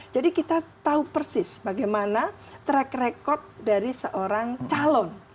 jadi kita tahu persis bagaimana track record dari seorang calon